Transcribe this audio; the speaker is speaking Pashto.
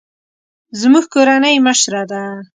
زموږ کورنۍ مشره ده